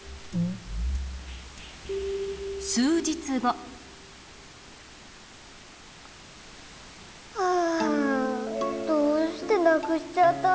すうじつごはあどうしてなくしちゃったんだろう。